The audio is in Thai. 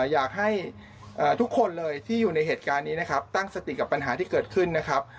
อยากให้ทุกคนเลยที่อยู่ในเหตุการณ์นี้นะครับตั้งสติกับปัญหาที่เกิดขึ้นนะครับ